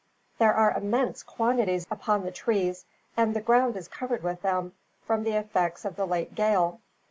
There are immense quantities upon the trees, and the ground is covered with them, from the effects of the late gale.